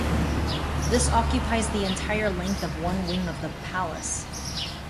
This occupies the entire length of one wing of the palace.